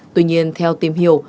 tuy nhiên theo tìm hiểu